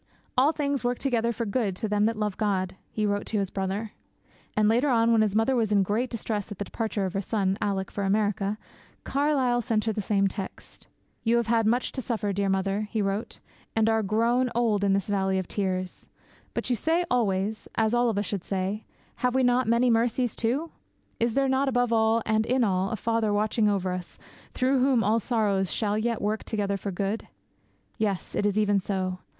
'All things work together for good to them that love God,' he wrote to his brother. And, later on, when his mother was in great distress at the departure of her son, Alick, for America, Carlyle sent her the same text. 'You have had much to suffer, dear mother,' he wrote, 'and are grown old in this Valley of Tears; but you say always, as all of us should say, "Have we not many mercies too?" Is there not above all, and in all, a Father watching over us, through whom all sorrows shall yet work together for good? Yes, it is even so.